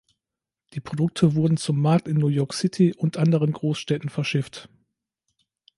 Die Produkte wurden zum Markt in New York City und anderen Großstädten verschifft.